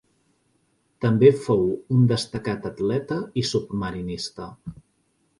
També fou un destacat atleta i submarinista.